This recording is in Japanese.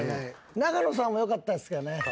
永野さんもよかったっすけどね。